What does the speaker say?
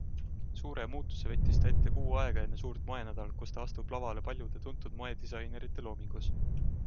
Suure muutuse võttis ta ette kuu aega enne suurt moenädalat, kus ta astub lavale paljude tuntud moedisainerite loomingus.